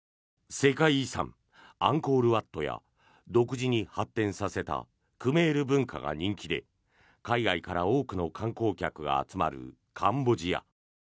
世界遺産アンコールワットや独自に発展させたクメール文化が人気で海外から多くの観光客が集まるカンボジア。